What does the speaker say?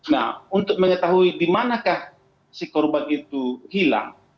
nah untuk mengetahui dimanakah si korban itu hilang